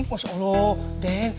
mas allah den